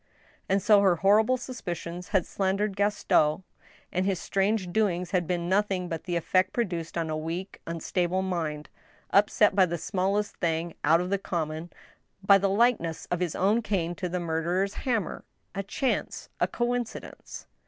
And so her horrible suspicions had slandered Gaston, and his strange doings had been nothing but the effect produced on a weak, unstable mind, upset by the smallest thing out of the common, by the likeness of his own , cane to the murderer's hammer — a chance, a coincidence.